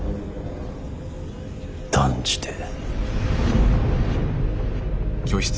断じて。